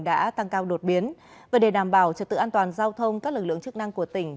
đã tăng cao đột biến và để đảm bảo trật tự an toàn giao thông các lực lượng chức năng của tỉnh